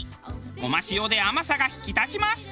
ごま塩で甘さが引き立ちます。